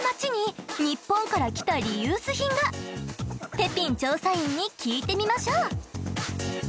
ペピン調査員に聞いてみましょう。